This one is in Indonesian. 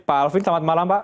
pak alvin selamat malam pak